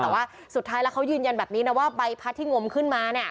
แต่ว่าสุดท้ายแล้วเขายืนยันแบบนี้นะว่าใบพัดที่งมขึ้นมาเนี่ย